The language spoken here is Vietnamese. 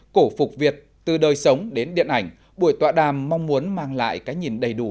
cổ phục việt từ đời sống đến điện ảnh buổi tọa đàm mong muốn mang lại cái nhìn đầy đủ